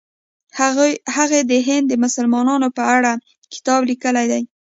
هغې د هند د مسلمانانو په اړه کتاب لیکلی دی.